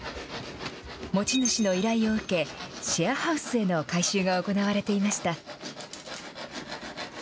持ち主の依頼を受け、シェアハウスへの改修が行われていました。